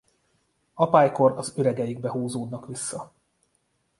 Apálykor az üregeikbe húzódnak vissza.